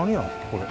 これ。